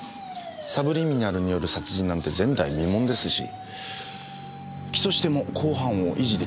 サブリミナルによる殺人なんて前代未聞ですし起訴しても公判を維持できるかどうか。